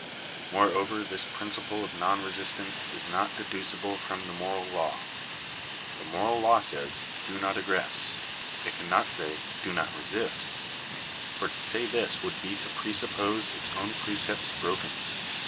Moreover this principle of non resistance is not deducible from the moral law. The moral law says — Do not aggress. It can not say — Do not resist ; for to say this would be to presup pose its own precepts broken.